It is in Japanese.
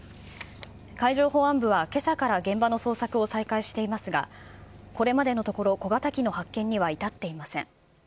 海上保安部はけさから現場の捜索を再開していますが、これまでのところ、小型機の発見には至っていません。